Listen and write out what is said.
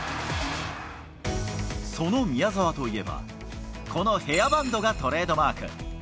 その宮澤といえば、このヘアバンドがトレードマーク。